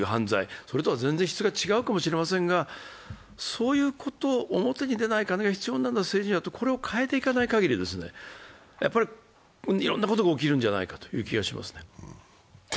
それとは全然質が違うかもしれませんが、そういう表に出ない金が必要な政治、これを変えていかないかぎり、いろんなことが起きるんじゃないかという気がしますね。